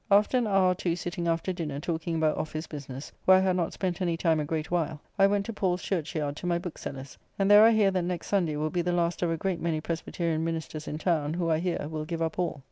After an hour or two sitting after dinner talking about office business, where I had not spent any time a great while, I went to Paul's Church Yard to my bookseller's; and there I hear that next Sunday will be the last of a great many Presbyterian ministers in town, who, I hear, will give up all.